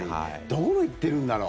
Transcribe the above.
どこの行っているんだろう。